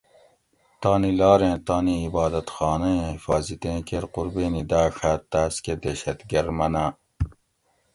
تانی لاریں تانی عبادتخانہ ایں حفاظتیں کیر قربینی داۤڛات تاۤس کہ دہشت گرد مناۤں؟